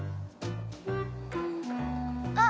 あっ。